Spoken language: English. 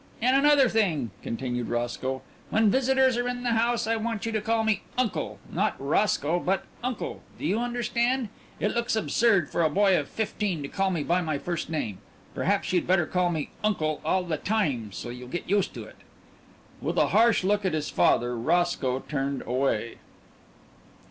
"And another thing," continued Roscoe, "when visitors are in the house I want you to call me 'Uncle' not 'Roscoe,' but 'Uncle,' do you understand? It looks absurd for a boy of fifteen to call me by my first name. Perhaps you'd better call me 'Uncle' all the time, so you'll get used to it." With a harsh look at his father, Roscoe turned away....